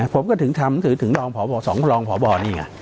ผมก็ถึงทำถือถึงรองผ่อสองรองผ่อบ่อนี่